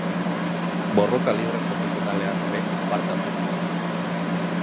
Borroka libre profesionalean ere parte hartu zuen.